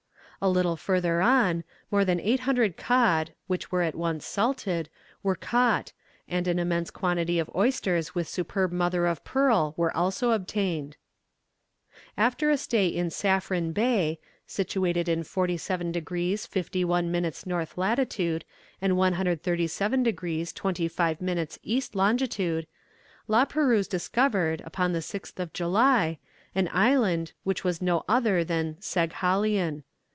A little further on, more than eight hundred cod, which were at once salted, were caught, and an immense quantity of oysters with superb mother of pearl were also obtained. After a stay in Saffren Bay, situated in 47 degrees 51 minutes N. lat. and 137 degrees 25 minutes E. long., La Perouse discovered, upon the 6th of July, an island, which was no other than Saghalien.